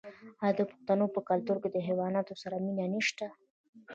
آیا د پښتنو په کلتور کې د حیواناتو سره مینه نشته؟